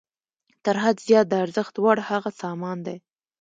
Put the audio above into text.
تر حد زیات د ارزښت وړ هغه سامان دی